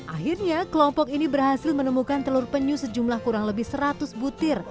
akhirnya kelompok ini berhasil menemukan telur penyu sejumlah kurang lebih seratus butir